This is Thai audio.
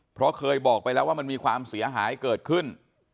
เพราะเคยบอกไปแล้วว่ามันมีความเสียหายเกิดขึ้น